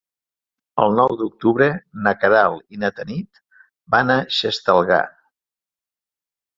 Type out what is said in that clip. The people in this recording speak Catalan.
El nou d'octubre na Queralt i na Tanit van a Xestalgar.